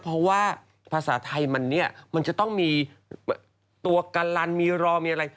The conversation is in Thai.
เพราะว่าภาษาไทยมันเนี่ยมันจะต้องมีตัวกะลันมีรอมีอะไร